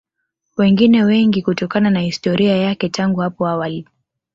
Wengine wengi kutokana na historia yake tangu hapo awali